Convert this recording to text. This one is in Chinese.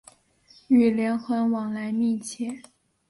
与连横往来密切。